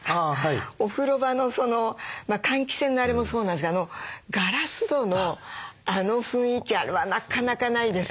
お風呂場の換気扇のあれもそうなんですけどガラス戸のあの雰囲気あれはなかなかないですよね。